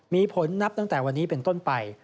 มีผลนับตั้งแต่วันนี้เป็นต้นไป